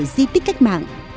di tích cách mạng